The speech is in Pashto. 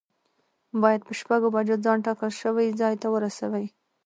باید په شپږو بجو ځان ټاکل شوي ځای ته ورسوی.